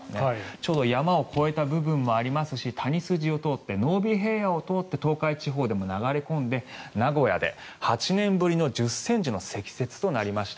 ちょうど山を越えた部分もありますし谷筋を通って濃尾平野を通って東海地方でも流れ込んで名古屋で８年ぶりの１０ｃｍの積雪となりました。